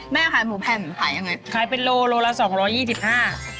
แม่ขายหมูแผ่นขายยังไงขายเป็นโลโลละสองร้อยยี่สิบห้า